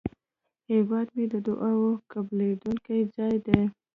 هیواد مې د دعاوو قبلېدونکی ځای دی